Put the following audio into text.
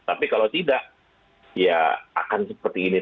tapi kalau tidak ya akan seperti ini